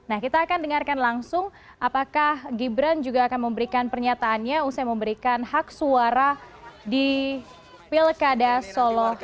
nah kita akan dengarkan langsung apakah gibran juga akan memberikan pernyataannya usai memberikan hak suara di pilkada solo